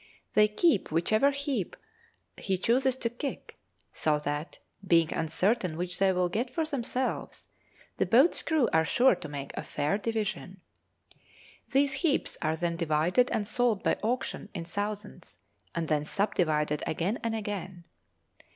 They keep whichever heap he chooses to kick; so that, being uncertain which they will get for themselves, the boat's crew are sure to make a fair division. These heaps are then divided and sold by auction in thousands, and then subdivided again and again.